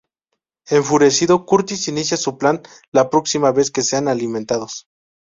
Enfurecido, Curtis inicia su plan la próxima vez que sean alimentados.